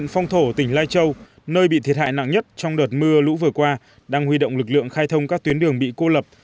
phong thổ tỉnh lai châu nơi bị thiệt hại nặng nhất trong đợt mưa lũ vừa qua đang huy động lực lượng khai thông các tuyến đường bị cô lập